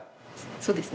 そうですね。